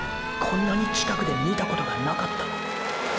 こんなに近くで見たことがなかった。